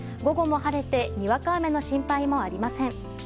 午後も晴れてにわか雨の心配もありません。